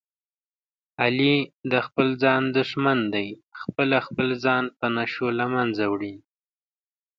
علي د خپل ځان دښمن دی، خپله خپل ځان په نشو له منځه وړي.